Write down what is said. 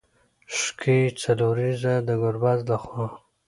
ښکې څلوريزه د ګربز له خوا